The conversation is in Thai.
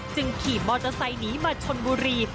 จึงขี่มอเตอร์ไซต์นี้มาชนมุรี